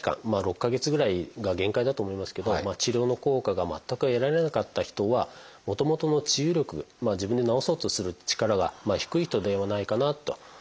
まあ６か月ぐらいが限界だと思いますけど治療の効果が全く得られなかった人はもともとの治癒力自分で治そうとする力が低い人ではないかなと。